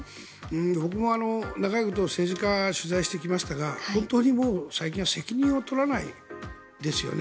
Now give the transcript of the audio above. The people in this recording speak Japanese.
僕も長いこと政治家を取材してきましたが本当にもう最近は責任を取らないですよね。